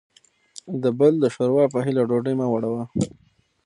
دبل دشوروا په هیله ډوډۍ مه وړه وه